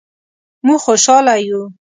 مونږ خوشحاله یو